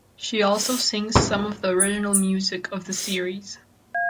She also sings some of the original music of the series.